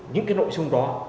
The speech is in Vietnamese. những nội dung đó